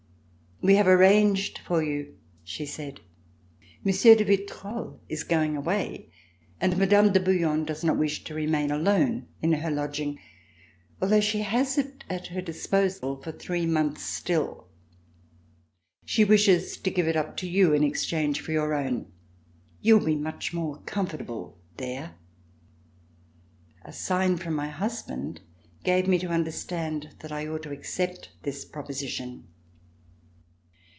"We have arranged for you," she said. *' Monsieur de Vitrolles is going away, and Mme. de Bouillon does not wish to remain alone in her lodging, although she has it at her disposal for three months still. She wishes to give it up to you in exchange for your own. You will be much more comfortable there." A sign from my husband gave me to understand that I ought to accept this proposition.